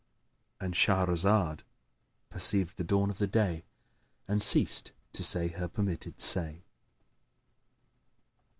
— And Shahrazad perceived the dawn of day and ceased to say her permitted say.